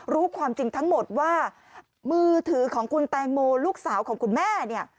รู้ความจริงทั้งหมดว่ามือถือของคุณแตงโมลูกสาวของคุณแม่เนี่ย